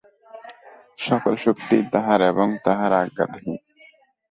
সকল শক্তিই তাঁহার এবং তাঁহার আজ্ঞাধীন।